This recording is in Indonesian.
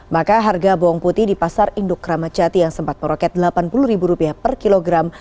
maka harga bawang putih di pasar induk ramadjati yang sempat meroket rp delapan puluh per kilogram